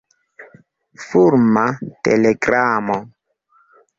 Fulma telegramo.